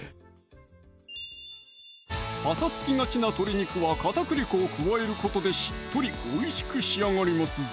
パサつきがちな鶏肉は片栗粉を加えることでしっとりおいしく仕上がりますぞ！